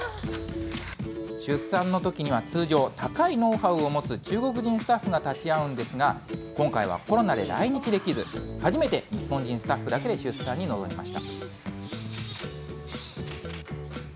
出産のときには、通常、高いノウハウを持つ中国人スタッフが立ち会うんですが、今回はコロナで来日できず、初めて日本人スタッフだけで出産に臨みました。